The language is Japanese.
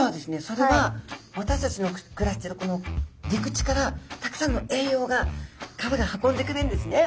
それは私たちの暮らしてるこの陸地からたくさんの栄養が川が運んでくれるんですね。